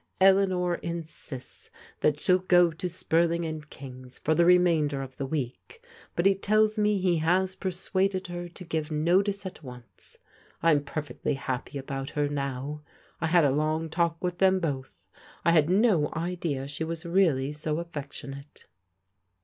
Eleanor insists that shell go to Spurting and King^s for die remainder of the week, but he tells me he has persuaded her to give notice at once. I'm perfectly ha^y about her now. I had a long talk with them both. I had no idea she was reallv so affectionate."